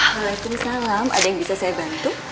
waalaikumsalam ada yang bisa saya bantu